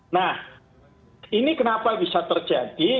nah ini kenapa bisa terjadi